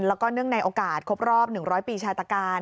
แล้วก็เนื่องในโอกาสครบรอบ๑๐๐ปีชาตการ